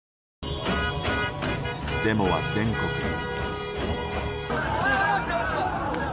デモは全国に。